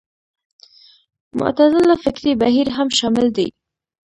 معتزله فکري بهیر هم شامل دی